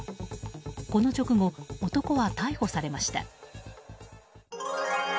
この直後、男は逮捕されました。